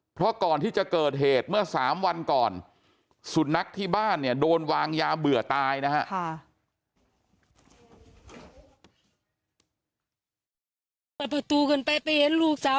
เพราะก่อนที่จะเกิดเหตุเมื่อ๓วันก่อนสุนัขที่บ้านเนี่ยโดนวางยาเบื่อตายนะฮะ